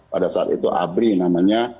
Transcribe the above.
pada saat itu abri namanya